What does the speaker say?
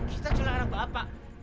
kita culik anak bapak